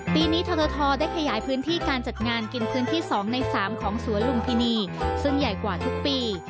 ปีนี้ททได้ขยายพื้นที่การจัดงานกินพื้นที่๒ใน๓ของสวนลุมพินีซึ่งใหญ่กว่าทุกปี